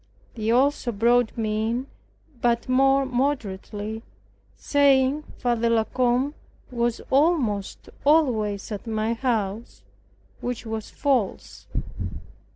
They also brought me in, but more moderately, saying Father La Combe was almost always at my house, which was false.